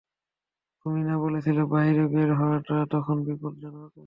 তুমি না বলেছিলে বাহিরে বের হওয়াটা এখন বিপজ্জনক!